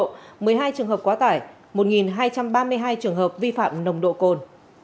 một mươi hai trường hợp quá tải một hai trăm ba mươi hai trường hợp vi phạm nồng độ cồn